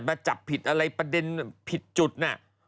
มาจับผิดอะไรประเด็นผิดจุดน่ะ